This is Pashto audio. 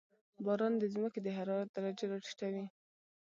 • باران د زمکې د حرارت درجه راټیټوي.